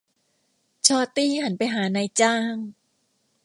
ชอร์ตี้หันไปหานายจ้าง